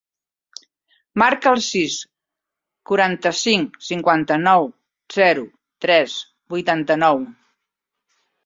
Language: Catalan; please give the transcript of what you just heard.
Marca el sis, quaranta-cinc, cinquanta-nou, zero, tres, vuitanta-nou.